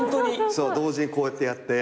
同時にこうやってやって。